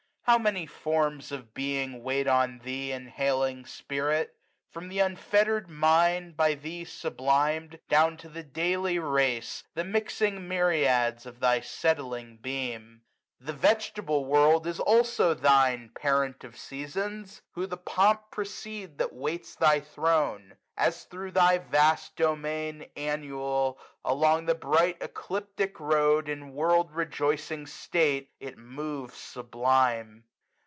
How many forms of being wait on thee. Inhaling spirit I from th' unfettered mind. By thee sublim'd, down to the daily race, no The mixing myriads of thy setting beam* 54 SUMMER. The vegetable world is also thine, Parent of Seasons ! who the pomp precede That waits thy throne ; as thro' thy vast domain. Annual, along the bright ecliptic road, 1 1.5 In world rejoicing state, it moves sublime.